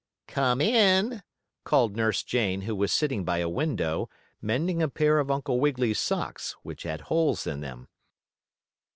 "Come in," called Nurse Jane, who was sitting by a window, mending a pair of Uncle Wiggily's socks, which had holes in them.